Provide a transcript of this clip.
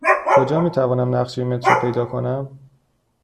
کجا می توانم نقشه مترو پیدا کنم؟